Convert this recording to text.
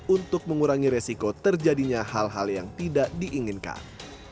untuk mengurangi resiko terjadinya hal hal yang tidak diinginkan